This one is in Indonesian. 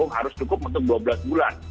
harus cukup untuk dua belas bulan